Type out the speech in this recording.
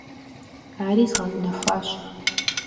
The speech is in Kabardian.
Ари згъэунэхуащ.